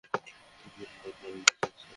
তুমিও আমার প্রাণ বাঁচিয়েছ!